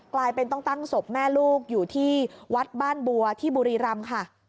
กลายเป็นต้องตั้งศพแม่ลูกอยู่ที่วัดบ้านบัวที่บุรีรำค่ะ